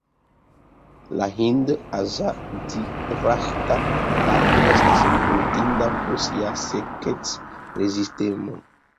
La hind-azadiraĥta arbo estas notinda pro sia sekec-rezistemo.